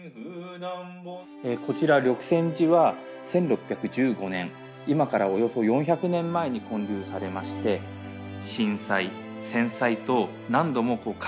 こちら緑泉寺は１６１５年今からおよそ４００年前に建立されまして震災戦災と何度も火事に遭っております。